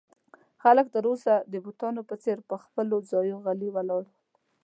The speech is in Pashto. خلک تر اوسه د بتانو په څېر پر خپلو ځایو غلي ولاړ ول.